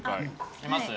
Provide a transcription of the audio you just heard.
いきます？